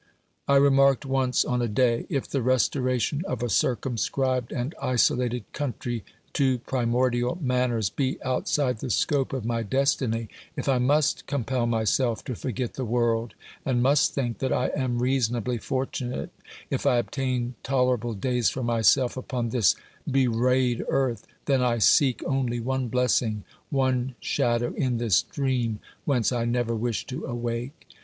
I remarked once on a day : If the restoration of a circumscribed and isolated country to primordial manners be outside the scope of my destiny, if I must compel myself to forget the world, and must think that I am reasonably fortunate if I obtain tolerable days for myself upon this bewrayed earth, then I seek only one blessing, one shadow in this dream whence I never wish to awake.